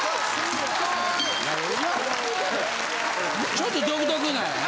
ちょっと独特なんやな。